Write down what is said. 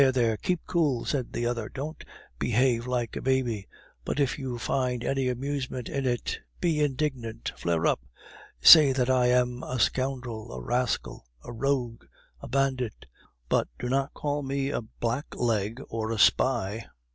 there! Keep cool!" said the other. "Don't behave like a baby. But if you find any amusement in it, be indignant, flare up! Say that I am a scoundrel, a rascal, a rogue, a bandit; but do not call me a blackleg nor a spy!